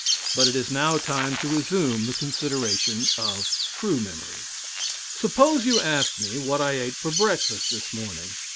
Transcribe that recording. But it is now time to resume the consideration of true memory. Suppose you ask me what I ate for breakfast this morning.